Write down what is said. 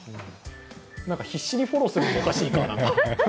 必死にフォローするのもおかしいかな。